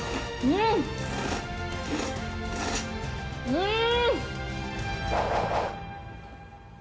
うん！